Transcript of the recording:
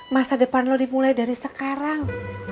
masa depan lo dimulai dari sekarang